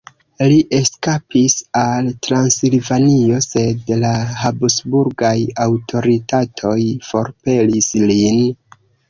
Li eskapis al Transilvanio, sed la habsburgaj aŭtoritatoj forpelis lin.